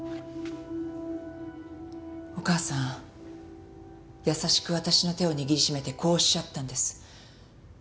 お母さん優しく私の手を握り締めてこうおっしゃったんです。